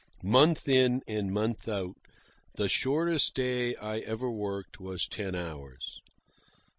Month in and month out, the shortest day I ever worked was ten hours.